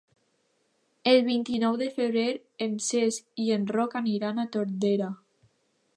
El vint-i-nou de febrer en Cesc i en Roc aniran a Tordera.